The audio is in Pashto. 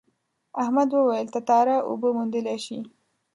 احمد وویل تتارا اوبه موندلی شي.